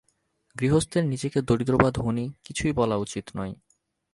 গৃহস্থের নিজেকে দরিদ্র বা ধনী কিছুই বলা উচিত নয়।